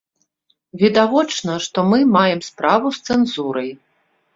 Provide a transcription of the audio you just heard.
Відавочна, што мы маем справу з цэнзурай.